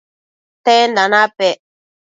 tenda napec?